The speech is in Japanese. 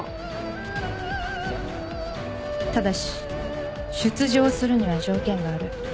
ただし出場するには条件がある。